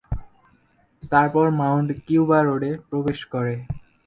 তারপর Mount Cuba রোডে প্রবেশ করে।